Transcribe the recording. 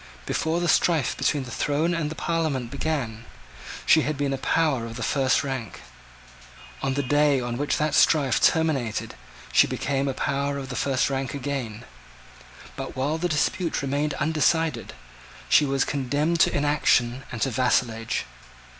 Before the strife between the throne and the Parliament began, she had been a power of the first rank: on the day on which that strife terminated she became a power of the first rank again: but while the dispute remained undecided, she was condemned to inaction and to vassalage.